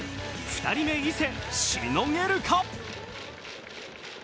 ２人目・伊勢、しのげるか。